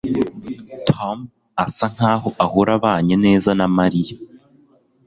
tom asa nkaho ahora abanye neza na mariya